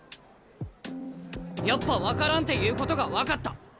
やっぱ分からんっていうことが分かった。